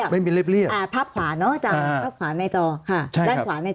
เรียบเรียบ